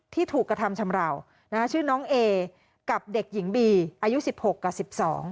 ที่ถูกกระทำชำราวชื่อน้องเอกับเด็กหญิงบีอายุ๑๖กับ๑๒